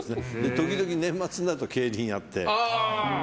時々年末になると競輪やって。